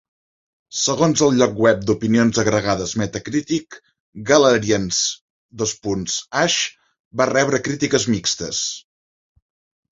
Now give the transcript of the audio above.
Segons el lloc web d'opinions agregades Metacritic, "Galerians:Ash" va rebre crítiques mixtes.